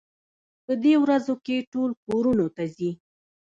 په دې ورځو کې ټول کورونو ته ځي.